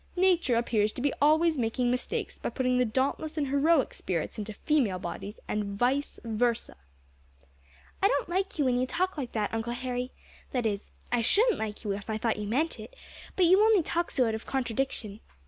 Nature appears to be always making mistakes by putting the dauntless and heroic spirits into female bodies, and vice versa." "I don't like you when you talk like that, Uncle Harry that is, I shouldn't like you if I thought you meant it; but you only talk so out of contradiction.